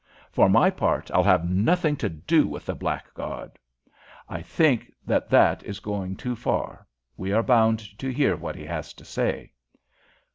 "For my part I'll have nothing to do with the blackguard." "I think that that is going too far. We are bound to hear what he has to say."